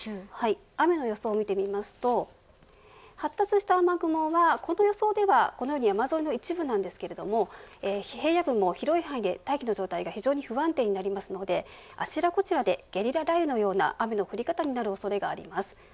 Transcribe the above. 雨の予想を見てみますと発達した雨雲は、この予想ではこのように山沿いの一部なんですが平野部も広い範囲で、大気の状態が非常に不安定になりますのであちらこちらでゲリラ雷雨のような雨の降り方になる恐れがあります。